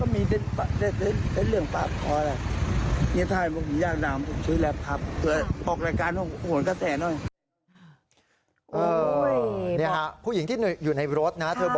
มันตรงไหนมันก็อยู่เทิร์นได้แค่จะเรียงมาจอด